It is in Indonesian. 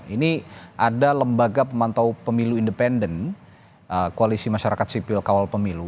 ini ada lembaga pemantau pemilu independen koalisi masyarakat sipil kawal pemilu